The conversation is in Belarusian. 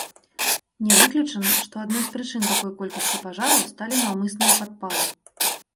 Не выключана, што адной з прычын такой колькасці пажараў сталі наўмысныя падпалы.